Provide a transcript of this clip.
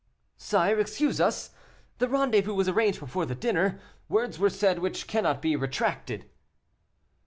"Sire, excuse us, the rendezvous was arranged before the dinner, words were said which cannot be retracted."